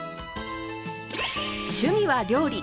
趣味は料理。